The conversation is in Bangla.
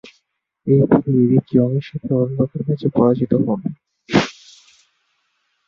একই দিনে এরিক ইয়ং এর সাথে অন্ধকার ম্যাচ এ পরাজিত হোন।